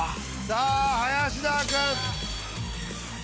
さあ林田君。